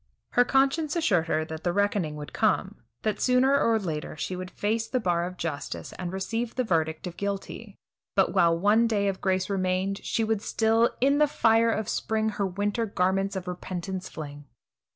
Her conscience assured her that the reckoning would come, that sooner or later she would face the bar of justice and receive the verdict of guilty; but while one day of grace remained, she would still "in the fire of spring, her winter garments of repentance fling."